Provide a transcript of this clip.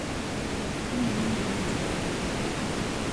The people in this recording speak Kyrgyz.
Бир топтору менин үйүмө жөнөдү.